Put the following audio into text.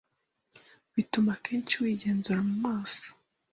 bituma kenshi wigenzura mumaso